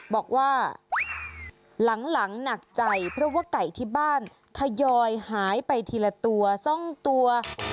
บอกว่าหลังหนักใจเพราะว่าไก่ที่บ้านทยอยหายไปทีละตัว๒ตัว